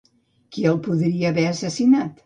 Qui el podria haver assassinat?